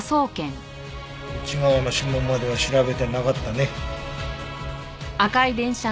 内側の指紋までは調べてなかったね。